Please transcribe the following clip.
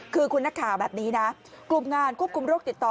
คือคุณนักข่าวแบบนี้นะกลุ่มงานควบคุมโรคติดต่อ